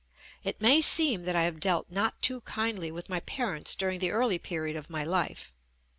It may seem that I have dealt not too kindly with my parents during the early period of my life.